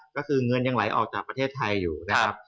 ก็คือเงินยังไหลออกจากประเทศไทยอยู่นะครับ